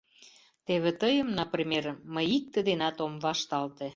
Теве тыйым, например, мый икте денат ом вашталте.